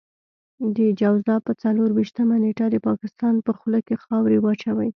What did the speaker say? د جوزا په څلور وېشتمه نېټه د پاکستان په خوله کې خاورې واچوئ.